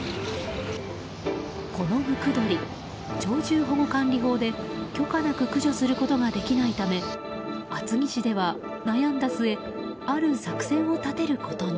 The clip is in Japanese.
このムクドリ鳥獣保護管理法で許可なく駆除することができないため厚木市では、悩んだ末ある作戦を立てることに。